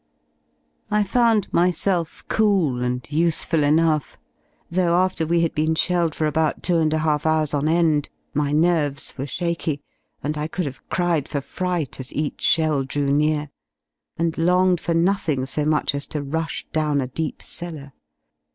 I found myself cool and useful enough, though after we had been shelled for about two and a half hours on end my nerves were shaky and I could have cried for fright as each shell drew near, and longed for nothing so much as to rush down a deep cellar.